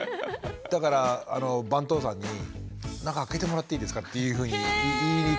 だから番頭さんに「中開けてもらっていいですか？」っていうふうに言いに行ったりとか。